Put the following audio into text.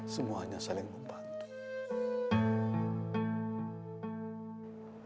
semuanya saling membantu